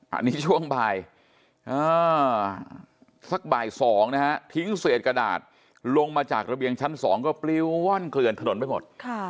อันนี้ช่วงบ่ายสักบ่าย๒นะฮะทิ้งเศษกระดาษลงมาจากระเบียงชั้น๒ก็ปลิ้วว่อนเกลื่อนถนนไปหมด